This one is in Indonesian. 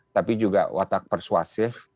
tapi juga watak persuasif